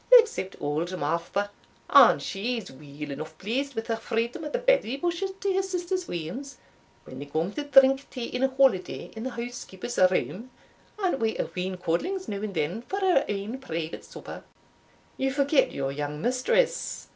except auld Martha, and she's weel eneugh pleased wi' the freedom o' the berry bushes to her sister's weans, when they come to drink tea in a holiday in the housekeeper's room, and wi' a wheen codlings now and then for her ain private supper." "You forget your young mistress."